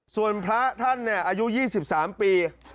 ส่วนพระท่านอายุ๒๓ปี